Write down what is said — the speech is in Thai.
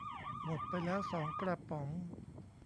หมดไปแล้วสองกระป๋อง